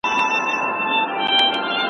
غړو به د حکومت طرحي تاييد کړي وي.